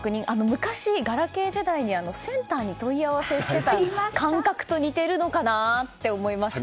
昔、ガラケー時代にセンターに問い合わせていた感覚と似ているのかなって思いました。